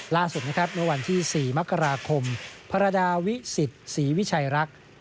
ล่าสุดนะครับเมื่อวันที่๔มกราคมภรดาวิสิทธิ์ศรีวิชัยรัก